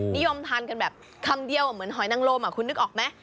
นิยมทานกันแบบคำเดียวเหมือนหอยนังลมคุณนึกออกไหม